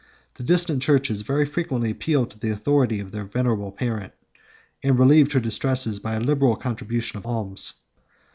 The distant churches very frequently appealed to the authority of their venerable Parent, and relieved her distresses by a liberal contribution of alms.